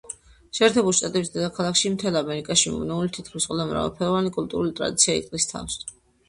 შეერთებული შტატების დედაქალაქში მთელ ამერიკაში მიმობნეული თითქმის ყველა მრავალფეროვანი კულტურული ტრადიცია იყრის თავს.